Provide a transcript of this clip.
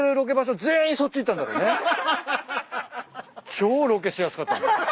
超ロケしやすかった。